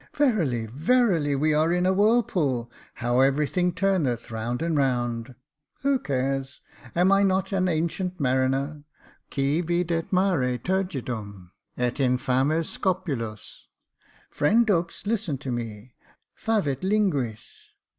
" Verily, verily, we are in a whirlpool — how every thing turneth round and round ! Who cares ? Am I not an ancient mariner —* Qui videt mare turgtdutn — et infames scopulos^ Friend Dux, listen to vciQ—favet Unguis.''